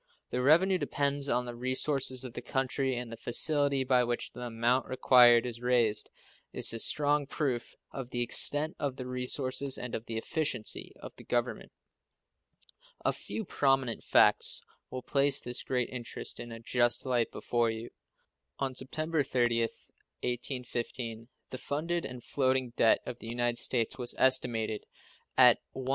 The revenue depends on the resources of the country, and the facility by which the amount required is raised is a strong proof of the extent of the resources and of the efficiency of the Government. A few prominent facts will place this great interest in a just light before you. On September 30th, 1815, the funded and floating debt of the United States was estimated at $119,635,558.